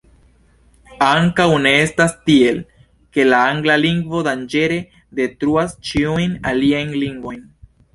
Ankaŭ ne estas tiel, ke la angla lingvo danĝere detruas ĉiujn aliajn lingvojn.